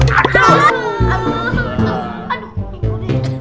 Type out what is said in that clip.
pakde tut gitu